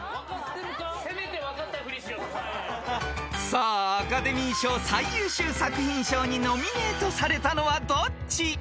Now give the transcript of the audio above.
［さあアカデミー賞最優秀作品賞にノミネートされたのはどっち？］